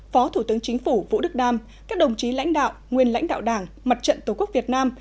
phó thủ tướng chính phủ vũ đức đam các đồng chí lãnh đạo nguyên lãnh đạo đảng mặt trận tổ quốc việt nam